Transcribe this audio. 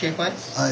はい。